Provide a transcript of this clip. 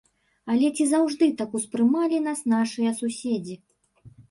Але ці заўжды так успрымалі нас нашыя суседзі?